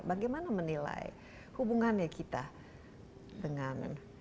bagaimana menilai hubungannya kita dengan